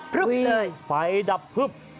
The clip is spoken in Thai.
พรึ๊บเลยไฟดับพรึ๊บ